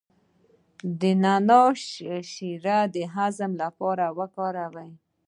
د نعناع شیره د هضم لپاره وکاروئ